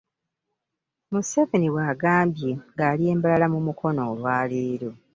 Museveni bw'agambye ng'ali e Mbalala mu Mukono olwa leero